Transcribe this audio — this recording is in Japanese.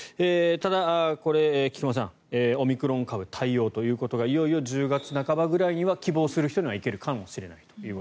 ただ、これ、菊間さんオミクロン株対応ということがいよいよ１０月半ばくらいには希望する人にはいけるかもしれないと。